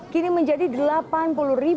kini menjadi rp lima puluh per kilogramnya